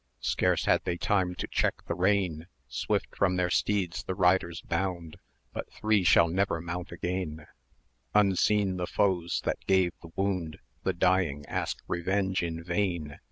Scarce had they time to check the rein, Swift from their steeds the riders bound; But three shall never mount again: Unseen the foes that gave the wound, The dying ask revenge in vain.